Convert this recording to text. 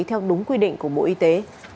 theo đúng quy định của bộ y tế